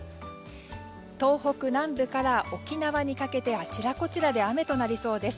東北南部から沖縄にかけてあちらこちらで雨となりそうです。